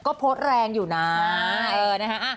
ก็โพสต์แรงอยู่นะเออนะฮะ